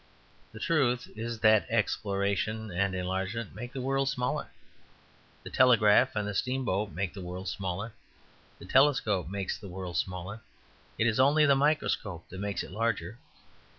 The truth is that exploration and enlargement make the world smaller. The telegraph and the steamboat make the world smaller. The telescope makes the world smaller; it is only the microscope that makes it larger.